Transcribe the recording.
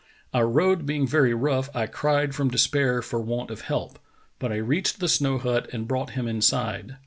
"Our road being very rough, I cried from despair for want of help; but I reached the snow hut and brought him inside.